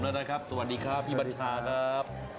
แล้วนะครับสวัสดีครับพี่บัญชาครับ